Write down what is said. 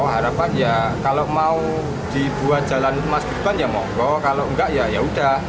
harapan ya kalau mau dibuat jalan mas gibran ya mau kalau nggak ya udah